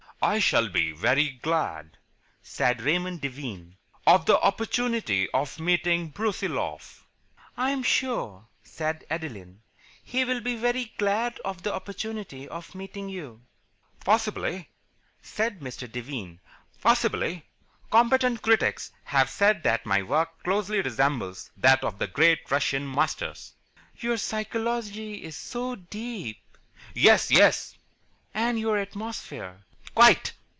"I shall be very glad," said Raymond Devine, "of the opportunity of meeting Brusiloff." "I'm sure," said Adeline, "he will be very glad of the opportunity of meeting you." "Possibly," said Mr. Devine. "Possibly. Competent critics have said that my work closely resembles that of the great Russian Masters." "Your psychology is so deep." "Yes, yes." "And your atmosphere." "Quite."